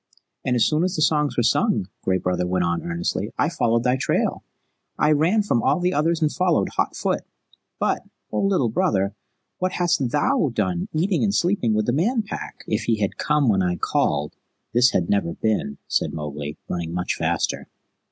"And as soon as the songs were sung," Gray Brother went on earnestly, "I followed thy trail. I ran from all the others and followed hot foot. But, O Little Brother, what hast THOU done, eating and sleeping with the Man Pack?" "If ye had come when I called, this had never been," said Mowgli, running much faster.